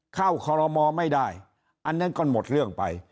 คอรมอลไม่ได้อันนั้นก็หมดเรื่องไป